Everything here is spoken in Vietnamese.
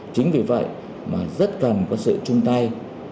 chính vì vậy mà rất cần có sự chung tay